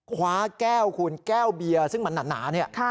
ขวาแก้วคูณแก้วเบียร์ซึ่งเหมือนหนานี่